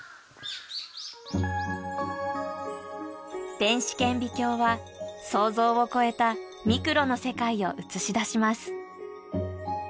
電子顕微鏡は想像を超えたミクロの世界を映し出します。